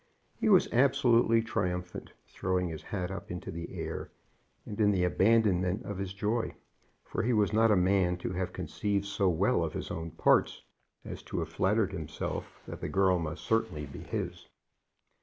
He was absolutely triumphant, throwing his hat up into the air in the abandonment of his joy. For he was not a man to have conceived so well of his own parts as to have flattered himself that the girl must certainly be his.